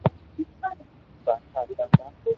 ڀآٺا ھتا تا